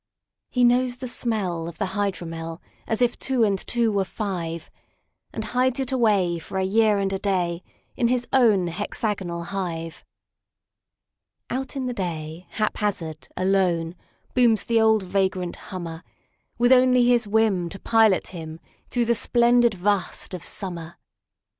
He knows the smell of the hydromelAs if two and two were five; And hides it away for a year and a dayIn his own hexagonal hive. Out in the day, hap hazard, alone, Booms the old vagrant hummer, With only his whim to pilot himThrough the splendid vast of summer.